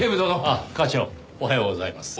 あっ課長おはようございます。